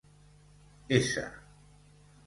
S